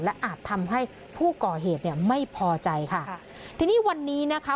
และอาจทำให้ผู้ก่อเหตุเนี่ยไม่พอใจค่ะทีนี้วันนี้นะคะ